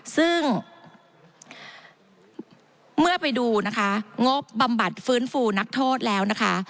ซึ่งเมื่อไปดูนะคะงบบำบัดฟื้นฟูนักโทษแล้วนะคะ